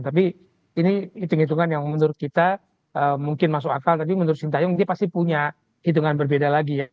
tapi ini hitung hitungan yang menurut kita mungkin masuk akal tapi menurut sintayong dia pasti punya hitungan berbeda lagi ya